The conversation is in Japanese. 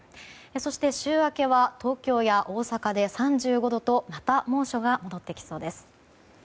そして、週明けは東京や大阪で３５度とまた猛暑が戻ってきそうです。